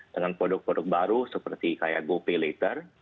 dengan produk produk baru seperti kayak gopay later